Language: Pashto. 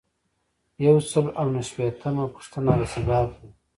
یو سل او نهه شپیتمه پوښتنه رسیدات دي.